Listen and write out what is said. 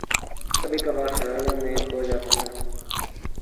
کبھی کبھار خیالوں میں کھو جاتا ہوں